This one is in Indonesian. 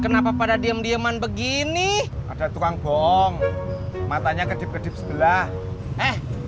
kenapa pada diem diem an begini ada tukang bohong matanya kedip kedip sebelah eh